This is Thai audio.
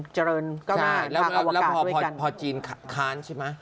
ใช่แล้วพอจีนค้านใช่ไหม